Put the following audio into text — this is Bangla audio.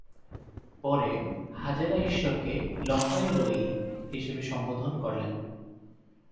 পরে, হাজেরা ঈশ্বরকে "লহয়-রোয়ী" হিসেবে সম্বোধন করলেন।